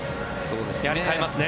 やはり代えますね。